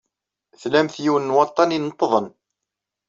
Tlamt yiwen n waḍḍan ineṭṭḍen.